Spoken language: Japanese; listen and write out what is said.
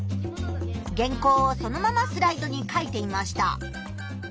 原稿をそのままスライドに書いていました。